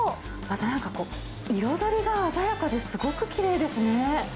またなんかこう、彩りが鮮やかで、すごくきれいですね。